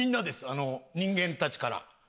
あの人間たちから。